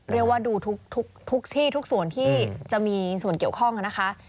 เรียกว่าดูทุกที่ทุกส่วนที่จะมีส่วนเกี่ยวข้องนะคะ